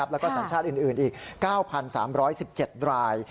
แล้วก็สัญชาติอื่นอีก๙๓๑๗ราย